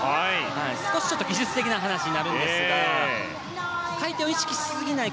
少し技術的な話になるんですが回転を意識過ぎない